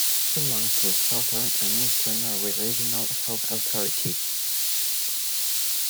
The trust belongs to the Southern and Eastern Norway Regional Health Authority.